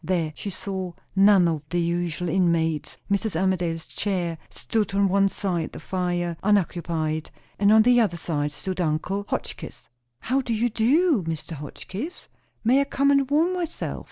There she saw none of the usual inmates. Mrs. Armadale's chair stood on one side the fire, unoccupied, and on the other side stood uncle Tim Hotchkiss. "How do you do, Mr. Hotchkiss? May I come and warm myself?